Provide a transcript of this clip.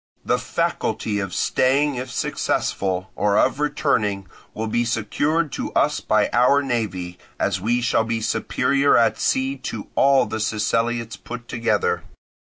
The faculty of staying if successful, or of returning, will be secured to us by our navy, as we shall be superior at sea to all the Siceliots put together.